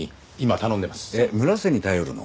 えっ村瀬に頼るの？